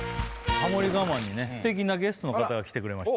ハモリ我慢にね素敵なゲストの方が来てくれました